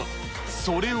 それは。